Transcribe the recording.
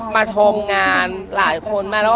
มาชมงานหลายคนมากัน